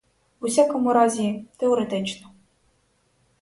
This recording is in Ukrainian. В усякому разі, теоретично.